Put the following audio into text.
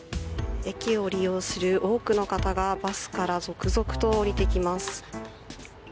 駅を利用する多くの方がバスから続々と降りてきます。